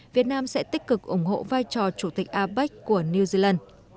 việt nam sẽ tích cực ủng hộ vai trò chủ tịch apec của new zealand